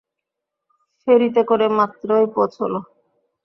ফেরিতে করে মাত্রই পৌঁছল।